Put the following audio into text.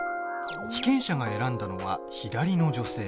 被験者が選んだのは、左の女性。